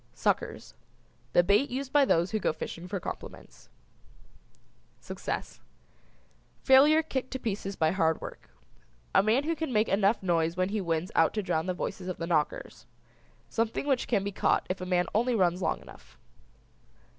SUCKERS. The bait used by those who go fishing for compliments. SUCCESS. Failure kicked to pieces by hard work. A man who can make enough noise when he wins out to drown the voices of the knockers. Something which can be caught if a man only runs long enough.